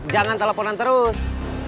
jangan teleponan terus